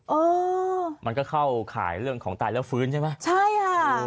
เออมันก็เข้าข่ายเรื่องของตายแล้วฟื้นใช่ไหมใช่ค่ะ